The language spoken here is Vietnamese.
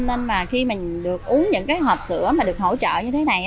nên mà khi mình được uống những cái hộp sữa mà được hỗ trợ như thế này